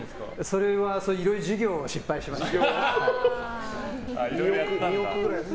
それはいろいろ事業を失敗しまして。